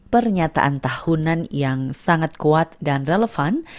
pernyataan tahunan yang sangat kuat dan relevan